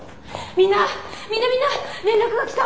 みんなみんな連絡が来た！